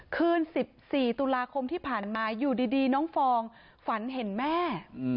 คืน๑๔ตุลาคมที่ผ่านมาอยู่ดีน้องฟองฝันเห็นแม่